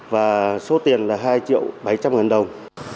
và số tiền là hai triệu bảy trăm linh ngàn đồng